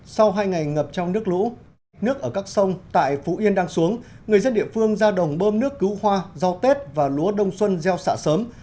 sau hai ngày ngập trong nước lũ nước ở các sông tại phú yên đang xuống người dân địa phương ra đồng bơm nước cứu hoa rau tết và lúa đông xuân gieo xạ sớm